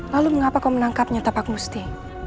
lalu mengapa kau menangkapnya tapak musti